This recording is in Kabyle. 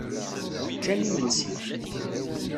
Ččan imensi.